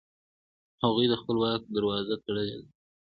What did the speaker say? هغوی د خپل واک دروازه تړلې ساتله.